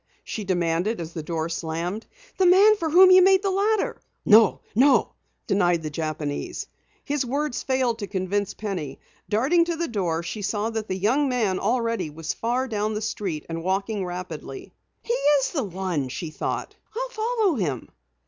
she demanded as the door slammed. "The man for whom you made the ladder?" "No, no!" denied the Japanese. His words failed to convince Penny. Darting to the door, she saw that the young man already was far down the street, walking rapidly. "He is the one," she thought. "I'll follow him."